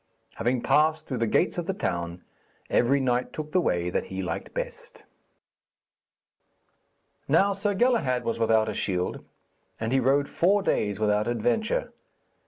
Having passed through the gates of the town, every knight took the way that he liked best. Now Sir Galahad was without a shield, and he rode four days without adventure.